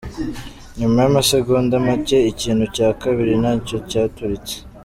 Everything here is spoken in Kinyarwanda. Nyuma y'amasegonda macye, ikintu cya kabiri nacyo cyaturitse.